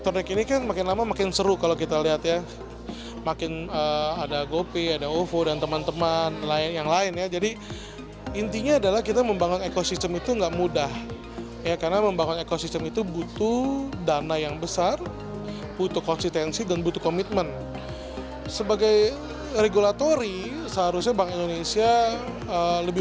tetap melihat gini